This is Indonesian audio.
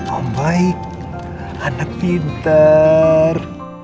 om baik anak pinter